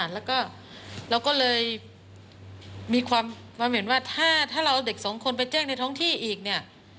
แล้วก็เราก็เลยมีความเห็นว่าถ้าเราเอาเด็กสองคนไปแจ้งในท้องที่อีกเนี่ย